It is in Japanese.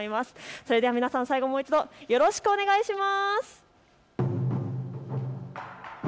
それでは皆さんもう一度、最後よろしくお願いします。